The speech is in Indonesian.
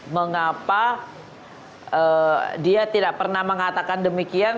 mengapa dia tidak pernah mengatakan demikian